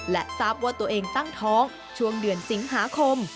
และทราบว่าตัวเองตั้งท้องช่วงเดือนสิงหาคม